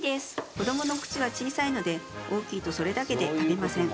子どもの口は小さいので大きいとそれだけで食べません。